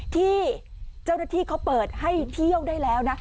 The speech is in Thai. ที่เจ้าหน้าที่เขาเปิดให้เที่ยวได้แล้วนะ